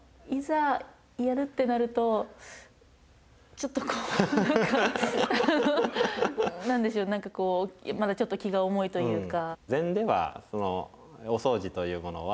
ちょっとこう何か何でしょう何かこうまだちょっと気が重いというか。